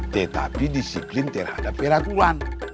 tetapi disiplin terhadap peraturan